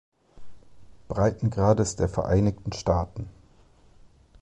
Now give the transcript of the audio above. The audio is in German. Breitengrades der Vereinigten Staaten.